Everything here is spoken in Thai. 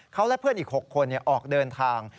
เขาและเพื่อนอีก๖คนออกเดินทาง